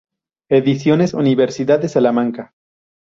Ediciones Universidad de Salamanca